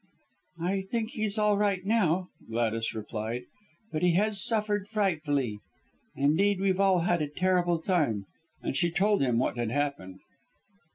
"I think he's all right now," Gladys replied, "but he has suffered frightfully. Indeed, we've all had a terrible time," And she told him what had happened.